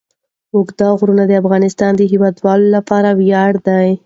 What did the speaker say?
اوږده غرونه د افغانستان د هیوادوالو لپاره ویاړ دی.